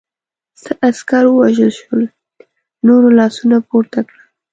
څه عسکر ووژل شول، نورو لاسونه پورته کړل.